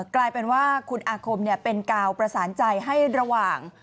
กลายเป็นว่าคุณอาคมเป็นกาวประสานใจให้ระหว่าง